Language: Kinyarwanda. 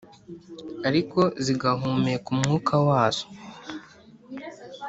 ariko zigahumeka umwuka wazo